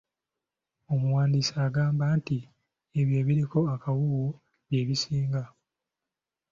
Omuwandiisi agamba nti ebyo ebiriko akawuuwo bye bisinga.